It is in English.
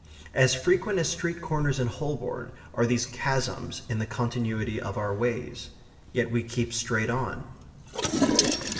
As frequent as street corners in Holborn are these chasms in the continuity of our ways. Yet we keep straight on.